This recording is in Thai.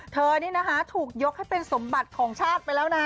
เธอนี่นะคะถูกยกให้เป็นสมบัติของชาติไปแล้วนะ